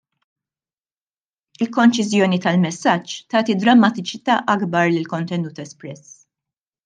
Il-konċiżjoni tal-messaġġ tagħti drammatiċità akbar lill-kontenut espress.